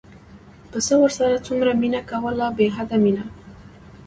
پسه ورسره څومره مینه کوله بې حده مینه.